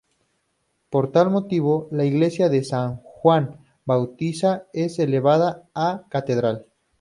Por tal motivo, la iglesia de San Juan Bautista es elevada a catedral.